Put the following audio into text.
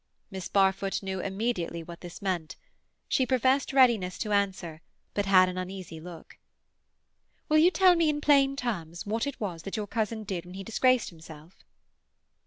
Miss Barfoot knew immediately what this meant. She professed readiness to answer, but had an uneasy look. "Will you tell me in plain terms what it was that your cousin did when he disgraced himself?"